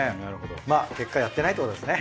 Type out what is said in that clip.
まあ結果やってないってことですね。